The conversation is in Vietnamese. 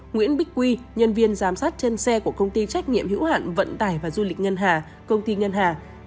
nguyễn bích quy nhân viên giám sát trên xe của công ty trách nhiệm hữu hạn vận tải và du lịch ngân hà